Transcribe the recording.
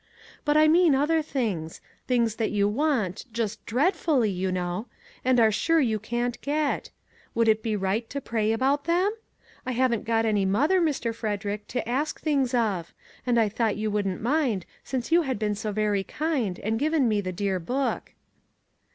But I mean other things; things that you want, just dreadfully, you know; and are sure you can't get. Would it be right to pray about them ? I haven't got any mother, Mr. Frederick, to ask things of ; and I thought you wouldn't mind, since you had been so very kind, and given me the dear book."